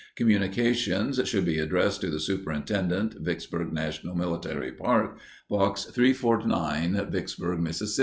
Communications should be addressed to the Superintendent, Vicksburg National Military Park, Box 349, Vicksburg, Miss.